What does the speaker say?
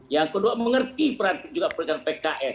yang kedua mengerti peran juga peran pks